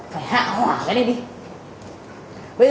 phải hạ hỏa cái này đi